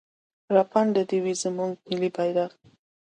راپانده دې وي زموږ ملي بيرغ.